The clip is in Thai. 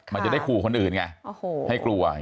มันจะได้ขู่คนอื่นไงให้กลัว